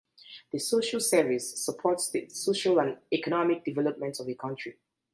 The Social Service supports the social and economic development of a country.